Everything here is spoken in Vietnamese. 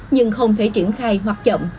nhưng không thể triển khai hoặc chậm